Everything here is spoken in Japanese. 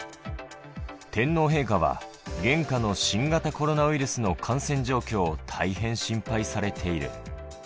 天皇陛下は、現下の新型コロナウイルスの感染状況を大変心配されている。